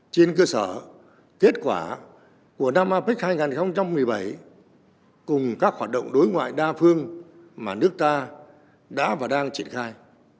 trên cơ sở kết quả của năm apec hai nghìn một mươi bảy cùng các hoạt động đối ngoại đa phương mà nước ta đã và đang triển khai